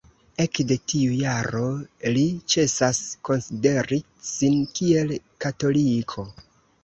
Ekde tiu jaro li ĉesas konsideri sin kiel katoliko.